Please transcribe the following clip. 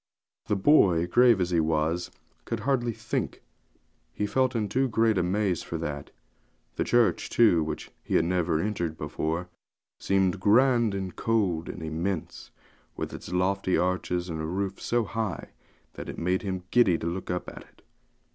The boy, grave as he was, could hardly think; he felt in too great a maze for that. The church, too, which he had never entered before, seemed grand and cold and immense, with its lofty arches, and a roof so high that it made him giddy to look up to it.